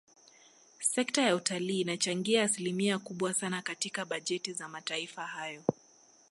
Sekta ya utalii inachangia asilimia kubwa sana katika bajeti za mataifa hayo